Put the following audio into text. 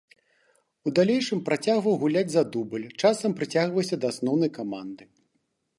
У далейшым працягваў гуляць за дубль, часам прыцягваўся да асноўнай каманды.